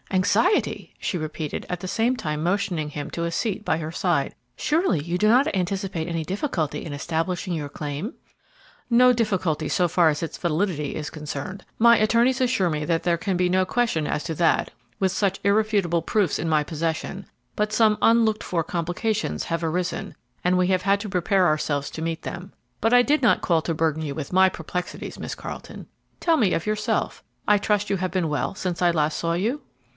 "Anxiety!" she repeated, at the same time motioning him to a seat by her side. "Surely you do not anticipate any difficulty in establishing your claim?" "No difficulty so far as its validity is concerned. My attorneys assure me there can be no question as to that with such irrefutable proofs in my possession, but some unlooked for complications have arisen, and we have had to prepare ourselves to meet them. But I did not call to burden you with my perplexities, Miss Carleton. Tell me of yourself. I trust you have been well since I last saw you."